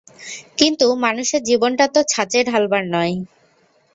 কিন্তু মানুষের জীবনটা তো ছাঁচে ঢালবার নয়।